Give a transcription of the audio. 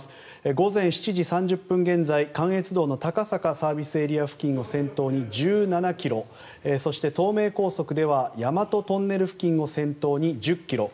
午前７時３０分現在関越道の高坂ＳＡ付近を先頭に１７ｋｍそして東名高速では大和トンネルを先頭に１０ｋｍ